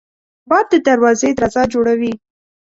باد د دروازې درزا جوړوي